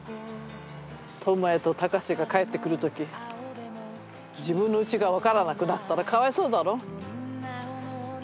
トモヤとタカシが帰ってくるとき自分のうちが分からなくなったらかわいそうだろ。